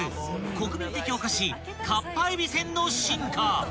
［国民的お菓子かっぱえびせんの進化］